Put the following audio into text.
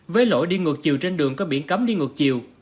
với lỗi đi ngược chiều trên đường có biển cấm đi ngược chiều